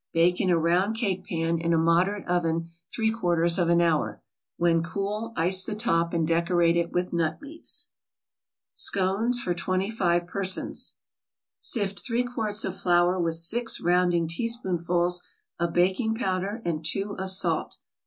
Bake in a round cake pan in a moderate oven three quarters of an hour. When cool, ice the top and decorate it with nut meats. SCONES FOR TWENTY FIVE PERSONS Sift three quarts of flour with six rounding teaspoonfuls of baking powder and two of salt.